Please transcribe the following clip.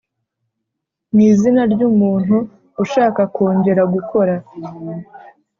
mu izina ry umuntu ushaka kongera gukora